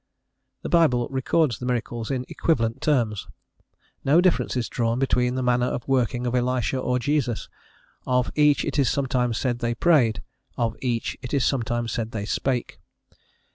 The Bible records the miracles in equivalent terms: no difference is drawn between the manner of working of Elisha or Jesus; of each it is sometimes said they prayed; of each it is sometimes said they spake.